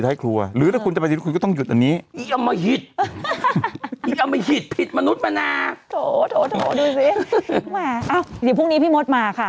เดี๋ยวพรุ่งนี้พี่มดมาค่ะ